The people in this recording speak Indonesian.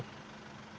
bagaimana menurut anda